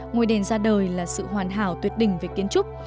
ngôi đền ra đời là sự hoàn hảo tuyệt đình về kiến trúc